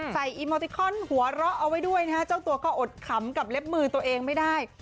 อีโมติคอนหัวเราะเอาไว้ด้วยนะฮะเจ้าตัวก็อดขำกับเล็บมือตัวเองไม่ได้